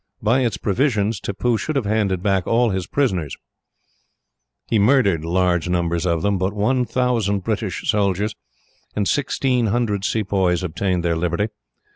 By its provisions, Tippoo should have handed back all his prisoners. He murdered large numbers of them, but 1000 British soldiers, and 1600 Sepoys obtained their liberty.